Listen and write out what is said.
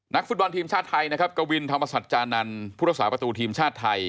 ฟุตบอลทีมชาติไทยนะครับกวินธรรมสัจจานันทร์ผู้รักษาประตูทีมชาติไทย